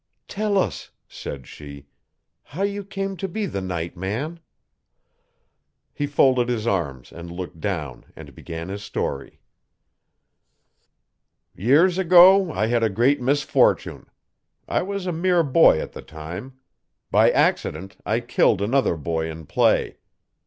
'Tell us,' said she, 'how you came to be the night man.' He folded his arms and looked down and began his story. 'Years ago I had a great misfortune. I was a mere boy at the time. By accident I killed another boy in play.